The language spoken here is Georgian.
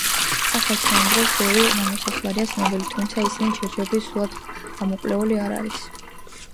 კახეთში ამ დროის ბევრი ნამოსახლარია ცნობილი, თუმცა ისინი ჯერჯერობით სრულად გამოკვლეული არ არის.